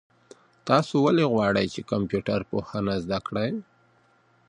تاسو ولې غواړئ چي کمپيوټر پوهنه زده کړئ؟